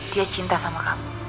dia cinta sama kamu